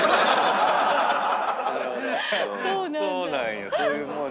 そうなんや。